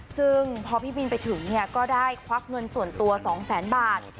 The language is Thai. ซึ่งพอพี่บินไปถึงก็ได้ควักเงินส่วนตัว๒๐๐๐๐บาท